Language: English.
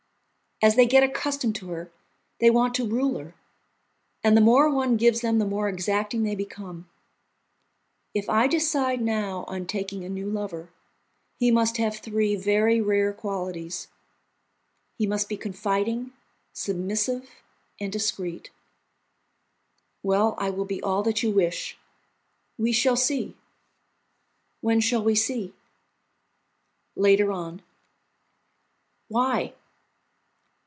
As they get accustomed to her, they want to rule her, and the more one gives them the more exacting they become. If I decide now on taking a new lover, he must have three very rare qualities: he must be confiding, submissive, and discreet." "Well, I will be all that you wish." "We shall see." "When shall we see?" "Later on." "Why?"